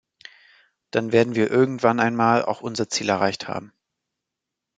Dann werden wir irgendwann einmal auch unser Ziel erreicht haben.